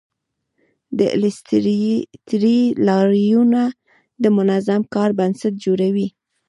د ایلیسټریټر لایرونه د منظم کار بنسټ جوړوي.